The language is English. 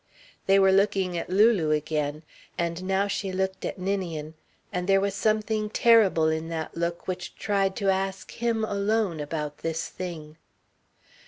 They were looking at Lulu again. And now she looked at Ninian, and there was something terrible in that look which tried to ask him, alone, about this thing.